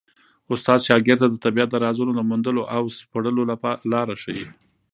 استاد شاګرد ته د طبیعت د رازونو د موندلو او سپړلو لاره ښيي.